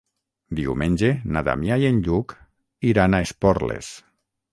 Diumenge na Damià i en Lluc iran a Esporles.